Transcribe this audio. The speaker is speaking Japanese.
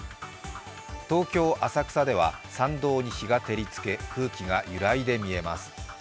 東京・浅草では参道に日が照りつけ、空気が揺らいで見えます。